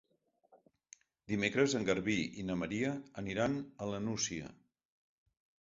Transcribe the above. Dimecres en Garbí i na Maria aniran a la Nucia.